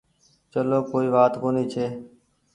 چلو ڪوئي وآت ڪونيٚ ڇي۔